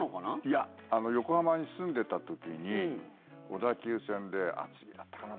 いや、横浜に住んでた時に小田急線で厚木だったかな？